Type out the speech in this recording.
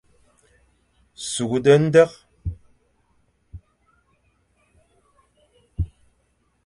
Sughde ndekh.